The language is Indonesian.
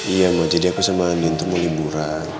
iya ma jadi aku sama andin mau liburan